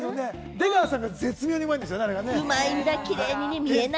出川さんが絶妙にうまいんだ、あれ。